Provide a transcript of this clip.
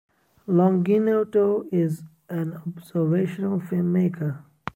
Longinotto is an observational filmmaker.